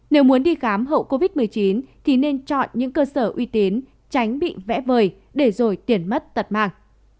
nếu muốn đi khám hậu covid một mươi chín thì nên chọn những cơ sở uy tín tránh bị vẽ vời để rồi tiền mất tật mang